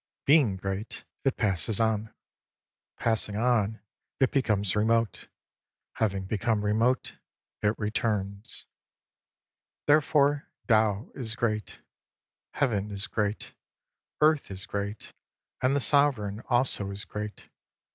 20 Being great, it passes on ; passing on, it becomes remote ; having become remote, it returns. Therefore Tao is great ; Heaven is great ; Earth .s great ; and the Sovereign also is great.